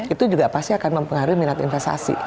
itu juga pasti akan mempengaruhi minat investasi